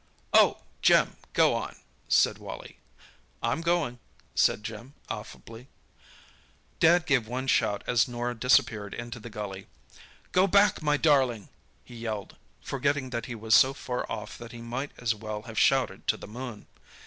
"Oh, Jim, go on!" said Wally. "I'm going," said Jim affably. "Dad gave one shout as Norah disappeared into the gully. 'Go back, my darling!' he yelled, forgetting that he was so far off that he might as well have shouted to the moon.